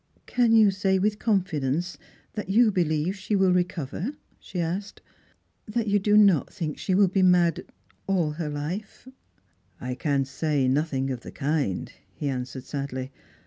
" Can you say with confidence that you believe she will re cover? " she asked; " that you do not think she will be — mad — allherhfe?" " I can say nothing of the kind," he answered sadly.